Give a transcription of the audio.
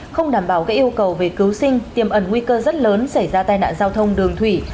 không đảm bảo các yêu cầu về cứu sinh tiềm ẩn nguy cơ rất lớn xảy ra tai nạn giao thông đường thủy